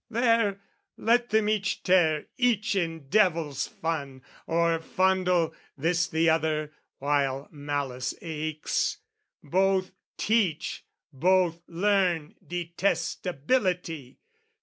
There, let them each tear each in devil's fun, Or fondle this the other while malice aches Both teach, both learn detestability!